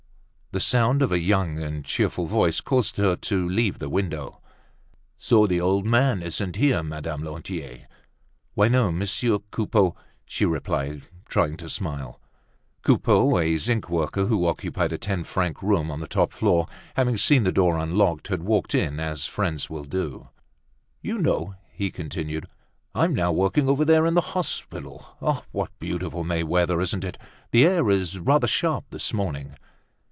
The sound of a young and cheerful voice caused her to leave the window. "So the old man isn't here, Madame Lantier?" "Why, no, Monsieur Coupeau," she replied, trying to smile. Coupeau, a zinc worker who occupied a ten franc room on the top floor, having seen the door unlocked, had walked in as friends will do. "You know," he continued, "I'm now working over there in the hospital. What beautiful May weather, isn't it? The air is rather sharp this morning."